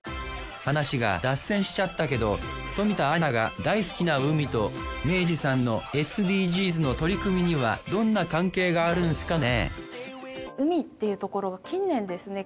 話が脱線しちゃったけど冨田アナが大好きな海と明治さんのＳＤＧｓの取り組みにはどんな関係があるんすかね？